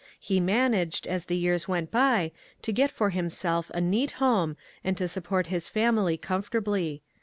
He managed, as the years went b}% to get for himself a neat home, and to support his family comfortably.